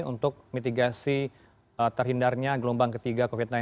untuk mitigasi terhindarnya gelombang ketiga covid sembilan belas